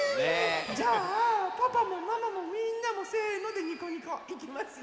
じゃあパパもママもみんなも「せの！」でにこにこいきますよ！